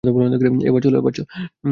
এবার, চলো!